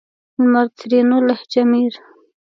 لمر؛ ترينو لهجه مير